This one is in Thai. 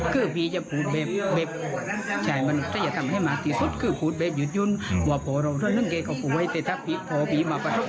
กับท่านตลอดส่วนให้กับวันนี้กับพิกัน